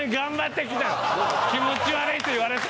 気持ち悪いと言われて。